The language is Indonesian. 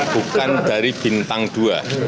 bukan dari bintang dua